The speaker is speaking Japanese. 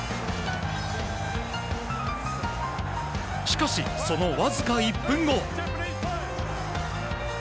しかし、そのわずか１分後。